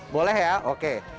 boleh ya oke